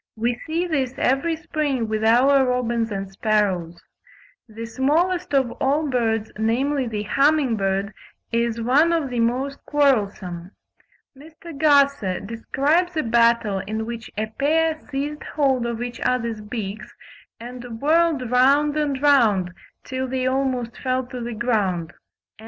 We see this every spring with our robins and sparrows. The smallest of all birds, namely the humming bird, is one of the most quarrelsome. Mr. Gosse (3. Quoted by Mr. Gould, 'Introduction to the Trochilidae,' 1861, page 29.) describes a battle in which a pair seized hold of each other's beaks, and whirled round and round, till they almost fell to the ground; and M.